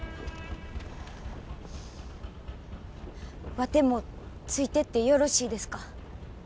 ワテもついてってよろしいですか？